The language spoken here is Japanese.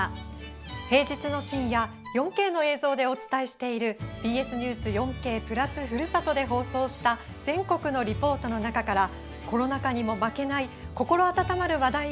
平日の深夜４Ｋの映像でお伝えしている「ＢＳニュース４Ｋ＋ふるさと」で放送した全国のリポートの中からコロナ禍にも負けない心温まる話題をお伝えします。